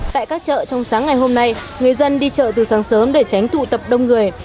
tại các chợ trong sáng ngày hôm nay người dân đi chợ từ sáng sớm để tránh tụ tập đông người